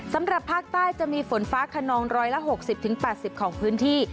สำหรับภาคใต้จะมีฝนฟ้าขนอง๑๖๐๘๐ของพื้นที่